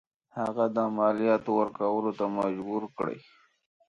هغه د مالیاتو ورکولو ته مجبور کړي.